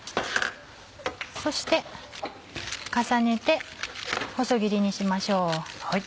そして重ねて細切りにしましょう。